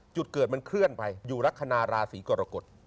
จุดเกิดมันเคลื่อนไปอยู่ลักษณะราศีกรกฎ